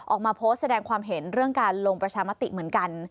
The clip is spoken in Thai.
ออกมาโพสต์แสดงความเห็นเรื่องการลงประชามติเหมือนกัน